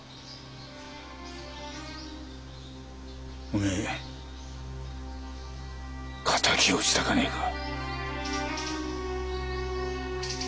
おめえ敵を討ちたかねえか？